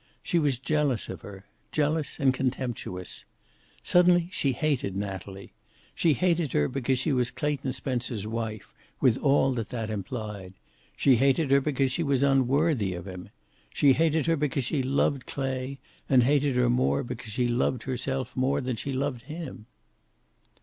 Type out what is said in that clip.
She was jealous of her. Jealous and contemptuous. Suddenly she hated Natalie. She hated her because she was Clayton Spencer's wife, with all that that implied. She hated her because she was unworthy of him. She hated her because she loved Clay, and hated her more because she loved herself more than she loved him.